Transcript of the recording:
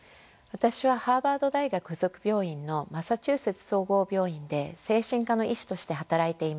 私はハーバード大学附属病院のマサチューセッツ総合病院で精神科の医師として働いています。